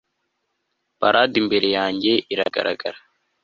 parade imbere yanjye iragaragara